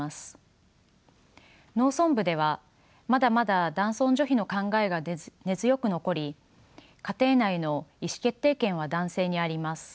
農村部ではまだまだ男尊女卑の考えが根強く残り家庭内の意思決定権は男性にあります。